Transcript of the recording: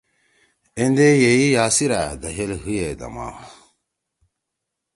ایندے ییی یاسیرأ دھئیل حیے دما